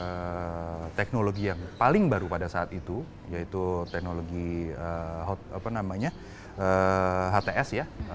ini adalah program satria yang menggunakan teknologi yang paling baru pada saat itu yaitu teknologi hts ya